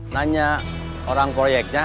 nanya orang proyeknya